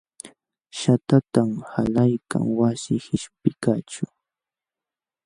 Shaqtatam qalaykan wasi qishpiykaqćhu.